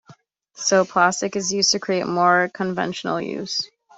So, plastic is used to create more conventional use.